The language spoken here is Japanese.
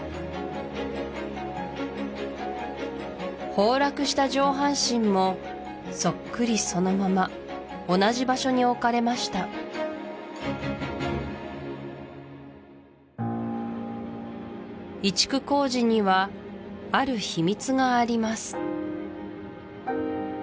崩落した上半身もそっくりそのまま同じ場所に置かれました移築工事にはある秘密があります